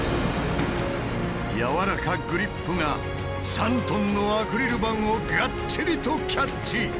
やわらかグリップが３トンのアクリル板をがっちりとキャッチ。